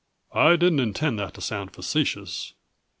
"I didn't intend that to sound facetious.